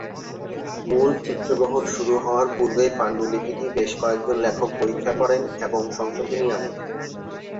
মূল চিত্রগ্রহণ শুরু হওয়ার পূর্বে পাণ্ডুলিপিটি বেশ কয়েকজন লেখক পরীক্ষা করেন এবং সংশোধনী আনেন।